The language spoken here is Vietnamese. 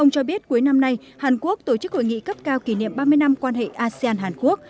cấp cao kỷ niệm ba mươi năm quan hệ asean hàn quốc